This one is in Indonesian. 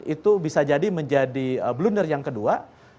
itu bisa jadi menjadi blunder yang kedua